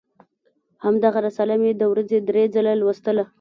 همدغه رساله مې د ورځې درې ځله لوستله.